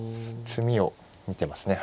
詰みを見てますね。